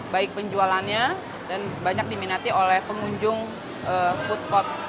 baik penjualannya dan banyak diminati oleh pengunjung food court